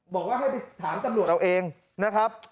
บอกว่าให้ไปถามตำรวจเอาเองนะครับ